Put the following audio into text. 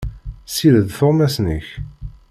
Ssired tuɣmas-nnek.